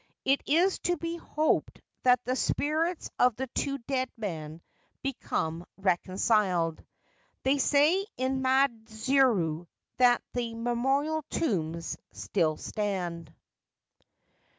It is to be hoped that the spirits of the two dead men became reconciled. They say in Maidzuru that the memorial tombs still stand.